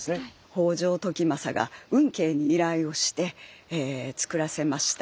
北条時政が運慶に依頼をしてつくらせました